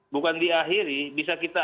bukan diakhiri bisa kita